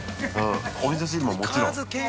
おみそ汁ももちろん。